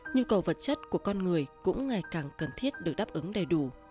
nhu cầu vật chất của con người cũng ngày càng cần thiết được đáp ứng đầy đủ